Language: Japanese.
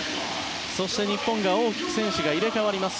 そして、日本大きく選手が入れ替わります。